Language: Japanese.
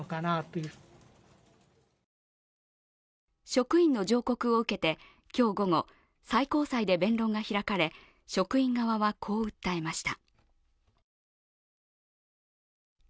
職員の上告を受けて今日午後、最高裁で弁論が開かれ職員側はこう訴えました。